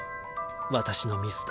私のミスだ。